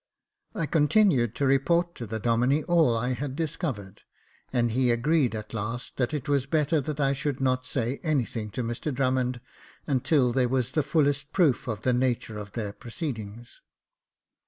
I continued to report to the Domine all I had discovered, and he agreed at last, that it was better that I should not say anything to Mr Drummond until there was the fullest proof of the nature of their proceedings.